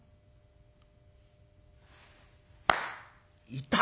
いた！